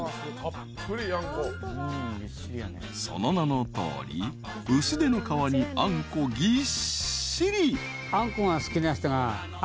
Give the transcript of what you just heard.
［その名のとおり薄手の皮にあんこぎっしり］